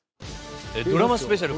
ドラマスペシャル